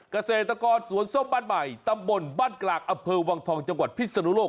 เกษตรกรสวนส้มบ้านใหม่ตำบลบ้านกลางอำเภอวังทองจังหวัดพิศนุโลก